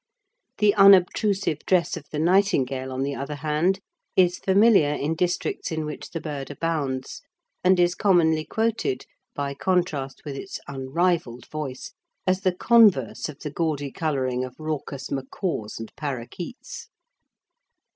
The unobtrusive dress of the nightingale, on the other hand, is familiar in districts in which the bird abounds, and is commonly quoted, by contrast with its unrivalled voice, as the converse of the gaudy colouring of raucous macaws and parrakeets.